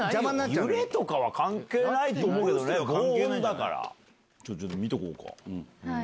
揺れとかは関係ないと思うけちょっと見とこうか。